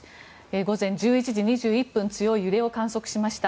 午前１１時２１分強い揺れを観測しました。